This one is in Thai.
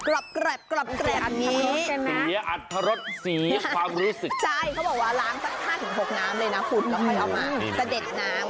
แล้วค่อยเอามากระเด็ดน้ำ